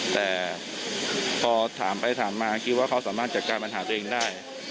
แต่พอถามไปถามมาคิดว่าเขาสามารถจัดการปัญหาตัวเองได้